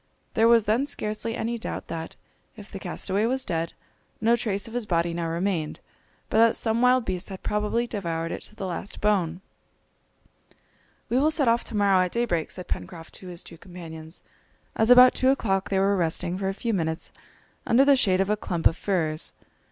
There was then scarcely any doubt that, if the castaway was dead, no trace of his body now remained, but that some wild beast had probably devoured it to the last bone. "We will set off to morrow at daybreak," said Pencroft to his two companions, as about two o'clock they were resting for a few minutes under the shade of a clump of firs.